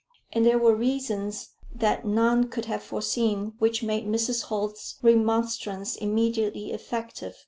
And there were reasons that none could have foreseen, which made Mrs. Holt's remonstrance immediately effective.